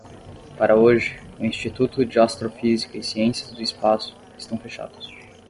Para hoje, o Instituto de Astrofísica e Ciências do Espaço, estão fechados.